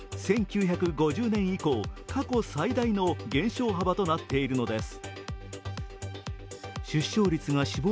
１９５０年以降、過去最大の減少幅となっているのです。